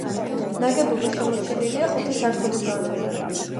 ნაგებობა შემორჩენილია ხუთი სართულის დონეზე.